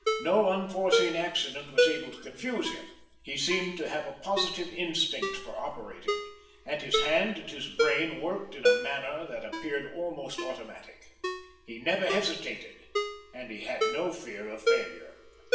No unforeseen accident was able to confuse him. He seemed to have a positive instinct for operating, and his hand and his brain worked in a manner that appeared almost automatic. He never hesitated, and he had no fear of failure.